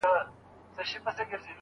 پانوس هغه دی شمع بله ده شرر نه لري